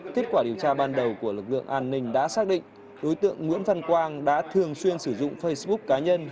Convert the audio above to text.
kết quả điều tra ban đầu của lực lượng an ninh đã xác định đối tượng nguyễn văn quang đã thường xuyên sử dụng facebook cá nhân